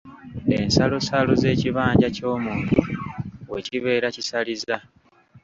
Ensalosalo z’ekibanja ky’omuntu we kibeera kisaliza.